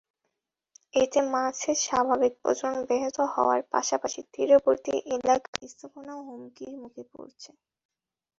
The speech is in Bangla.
এতে মাছের স্বাভাবিক প্রজনন ব্যাহত হওয়ার পাশাপাশি তীরবর্তী এলাকার স্থাপনাও হুমকির মুখে পড়ছে।